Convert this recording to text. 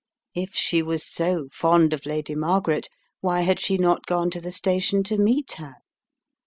If she was so fond of Lady Margaret, why had she not gone to the sta tion to meet her?